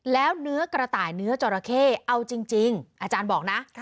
แล้วเนื้อกระต่ายเนื้อจอราเข้เอาจริงอาจารย์บอกนะ